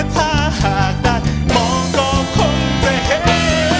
ถ้าหากได้มองก็คงจะเห็น